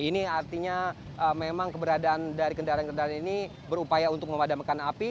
ini artinya memang keberadaan dari kendaraan kendaraan ini berupaya untuk memadamkan api